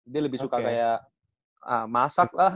dia lebih suka kayak masak lah